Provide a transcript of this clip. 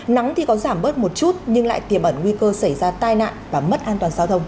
nắng thì có giảm bớt một chút nhưng lại tiềm ẩn nguy cơ xảy ra tai nạn và mất an toàn giao thông